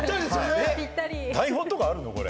台本とかあるの？